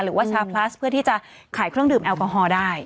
หรือว่าชาพลัสเพื่อที่จะขายเครื่องดื่มแอลกอฮอล์ได้